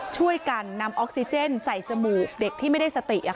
ช่วยกันนำออกซิเจนใส่จมูกเด็กที่ไม่ได้สติ